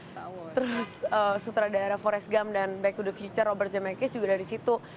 terus sutradara forrest gump dan back to the future robert zemeckis juga dari situ